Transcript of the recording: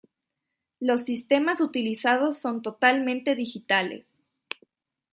Los sistemas utilizados son totalmente digitales.